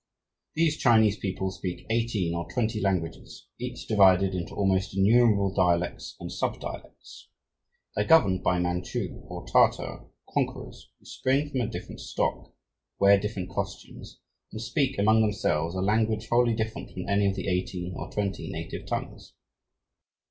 These Chinese people speak eighteen or twenty "languages," each divided into almost innumerable dialects and sub dialects. They are governed by Manchu, or Tartar, conquerors who spring from a different stock, wear different costumes, and speak, among themselves, a language wholly different from any of the eighteen or twenty native tongues.